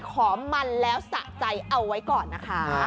ขอมันแล้วสะใจเอาไว้ก่อนนะคะ